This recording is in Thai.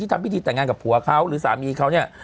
ทำพิธีแต่งงานกับผัวเขาหรือสามีเขาเนี่ย